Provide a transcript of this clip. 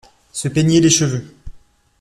Se peigner les cheveux.